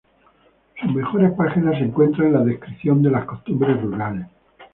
Sus mejores páginas se encuentran en la descripción de las costumbres rurales.